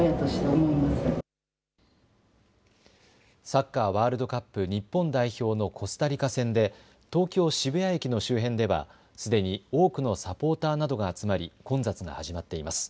サッカーワールドカップ日本代表のコスタリカ戦で東京渋谷駅の周辺ではすでに多くのサポーターなどが集まり混雑が始まっています。